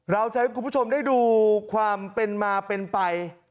เราจะให้คุณผู้ชมได้ดูความเป็นมาเป็นไป